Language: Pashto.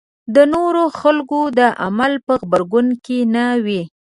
د نورو خلکو د عمل په غبرګون کې نه وي.